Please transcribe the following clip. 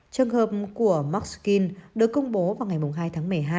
trường hợp của mxkin được công bố vào ngày hai tháng một mươi hai